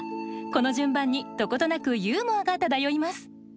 この順番にどことなくユーモアが漂います。